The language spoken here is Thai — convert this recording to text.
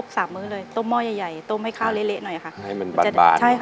ส่วนให้ทุกคนก็ได้